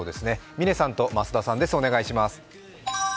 嶺さんと増田さんです。